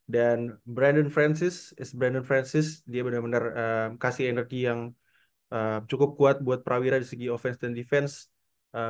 dan brandon francis dia bener bener kasih energi yang cukup kuat buat prawira di segi offense dan defense